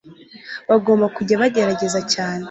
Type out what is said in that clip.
bagomba kujya Bagerageza cyane